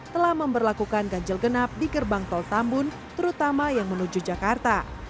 telah memperlakukan ganjil genap di gerbang tol tambun terutama yang menuju jakarta